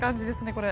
これ。